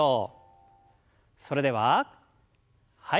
それでははい。